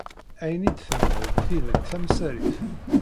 Ayen i d-tenna d tidet tamsarit.